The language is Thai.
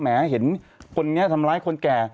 เห็นคนนี้ทำร้ายคนแก่